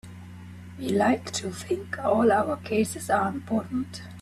We like to think all our cases are important.